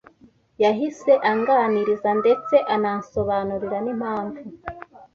Yahise anganiriza, ndetse anansobanurira n’impamvu